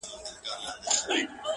په نس ماړه او پړسېدلي کارغان،